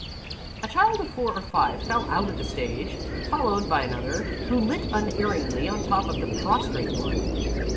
A child of four or five fell out of the stage, followed by another, who lit unerringly on top of the prostrate one.